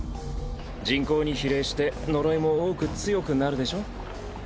人口に比例して呪いも多く強くなるでしょ？